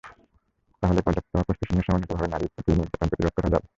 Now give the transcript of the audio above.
তাহলেই পর্যাপ্ত প্রস্তুতি নিয়ে সমন্বিতভাবে নারীর প্রতি নির্যাতন প্রতিরোধ করা যাবে।